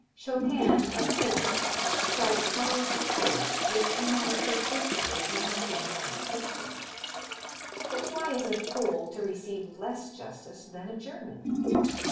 Chopin, a Pole, strikes sorrowful chords, which do not occur frequently to healthy normal persons. But why is a Pole to receive less justice than a German?